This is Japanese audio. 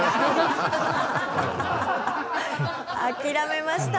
諦めました。